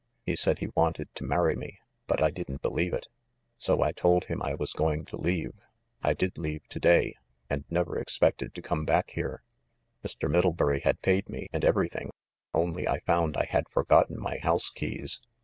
He said he wanted to marry me ; but I didn't believe it. So I told him I was going to leave. I did leave to day, and never ex pected to come back here. Mr. Middlebury had paid me, and everything, only I found I had forgotten my house keys.